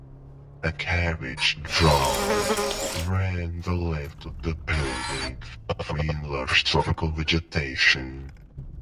A carriage drive ran the length of the building between lush tropical vegetation.